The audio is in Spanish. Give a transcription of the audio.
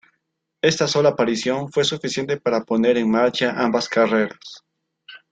Esta sola aparición fue suficiente para poner en marcha ambas carreras.